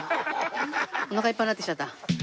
お腹いっぱいになってきちゃった。